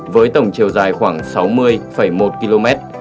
với tổng chiều dài khoảng sáu mươi một km